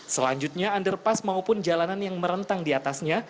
selanjutnya underpass maupun jalanan yang merentang di atasnya